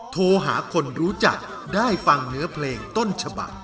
โทรหาคนรู้จักได้ฟังเนื้อเพลงต้นฉบัก